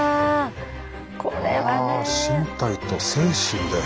これはね！は身体と精神で。